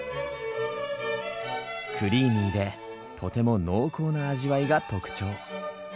クリーミーでとても濃厚な味わいが特徴。